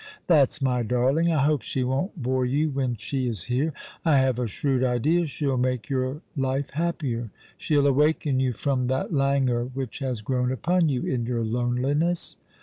"" That's my darling ! I hope she won't bore you when she is here. I have a shrewd idea she'll make your life happier. She'll awaken you from that languor which has grown upon you in your loneliness."